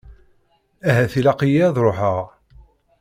Ahat ilaq-iyi ad ruḥeɣ.